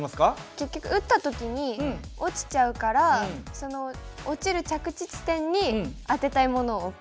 結局撃った時に落ちちゃうからその落ちる着地地点に当てたいものを置く。